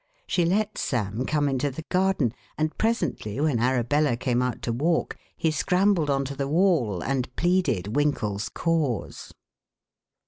She let Sam come into the garden, and presently when Arabella came out to walk, he scrambled on to the wall and pleaded Winkle's cause.